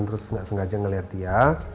terus gak sengaja ngeliat dia